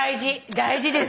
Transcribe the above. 大事です。